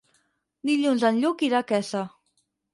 Dilluns en Lluc irà a Quesa.